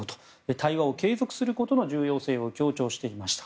対話を継続させることの重要性を強調していました。